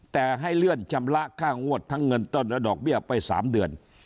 แต่ให้เลื่อนชำระค่างวดทั้งเงินต้นและดอกเบี้ยไป๓เดือน